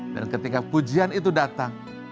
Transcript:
dan ketika pujian itu datang